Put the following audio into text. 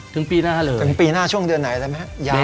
ถึงปีหน้าช่วงเดือนไหนได้ไหม